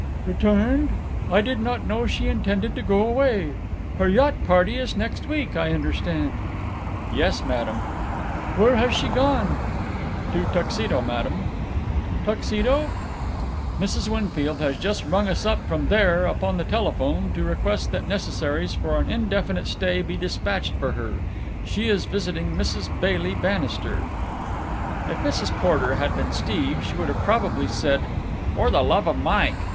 "Returned? I did not know she intended to go away. Her yacht party is next week, I understand." "Yes, madam." "Where has she gone?" "To Tuxedo, madam." "Tuxedo?" "Mrs. Winfield has just rung us up from there upon the telephone to request that necessaries for an indefinite stay be despatched to her. She is visiting Mrs. Bailey Bannister." If Mrs. Porter had been Steve, she would probably have said "For the love of Mike!"